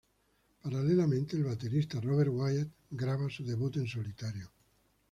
Paralelamente el baterista Robert Wyatt graba su debut en solitario.